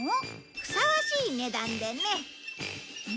ふさわしい値段でね。